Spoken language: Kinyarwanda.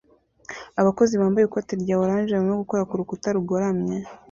Abakozi bambaye ikoti rya orange barimo gukora kurukuta rugoramye